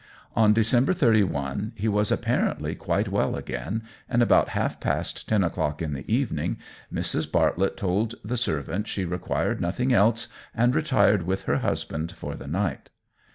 On December 31 he was apparently quite well again, and about half past ten o'clock in the evening, Mrs. Bartlett told the servant she required nothing else and retired with her husband for the night.